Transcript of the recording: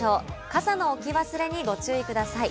傘の置き忘れにご注意ください。